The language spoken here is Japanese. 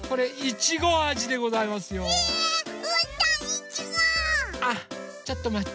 ちょっとまって。